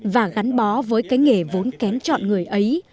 và gắn bó với cái nghề vốn kém chọn người ấy